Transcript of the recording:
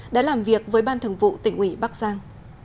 đã làm việc với ban thường vụ tỉnh ủy bắc giang